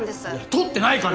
撮ってないから！！